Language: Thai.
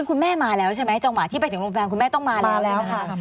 คุณแม่มาแล้วใช่ไหมจังหวะที่ไปถึงโรงพยาบาลคุณแม่ต้องมาแล้วแล้วค่ะ